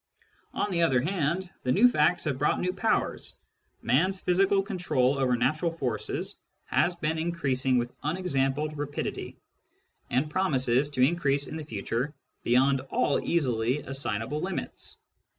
On the other hand, the new facts have brought new powers ; man's physical control over natural forces has Digitized by Google CURRENT TENDENCIES 29 been increasing with unexampled rapidity, and promises to increase in the future beyond all easily assignable limits.